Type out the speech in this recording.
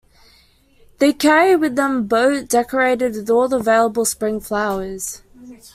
They carry with them a boat decorated with all the available spring flowers.